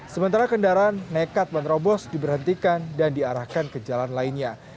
sementara kendaraan nekat menerobos diberhentikan dan diarahkan ke jalan lainnya